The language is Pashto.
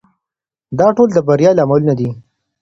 دا ټول د بریا لاملونه دي.